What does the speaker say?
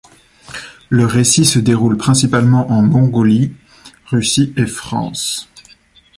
Le récit se déroule principalement en Mongolie, Russie et France.